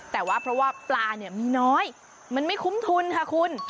แต่ว่าเพราะว่าปลาเนี่ยมีน้อยมันไม่คุ้มทุนค่ะคุณ